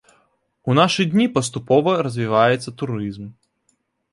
У нашы дні паступова развіваецца турызм.